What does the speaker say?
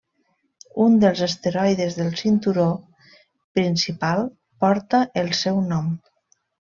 Un dels asteroides del cinturó principal porta el seu nom.